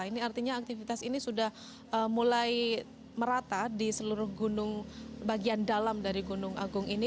ini artinya aktivitas ini sudah mulai merata di seluruh gunung bagian dalam dari gunung agung ini